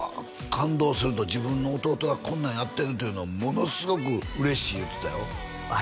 感動すると自分の弟がこんなんやってるというのものすごく嬉しい言うてたよ兄？